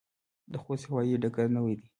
د خوست هوايي ډګر نوی دی